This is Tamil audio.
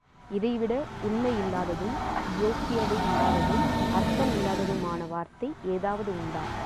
இதைவிட உண்மையில்லாததும், யோக்கியதை இல்லாததும், அர்த்தமில்லாததுமான வார்த்தை ஏதாவது உண்டா?